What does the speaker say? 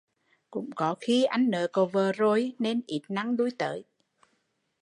Cũng có khi anh nớ có vợ rồi nên ít năng lui tới